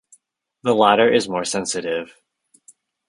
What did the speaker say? The latter is more sensitive.